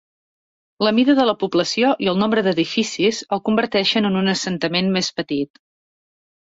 La mida de la població i el nombre d'edificis el converteixen en un assentament més petit.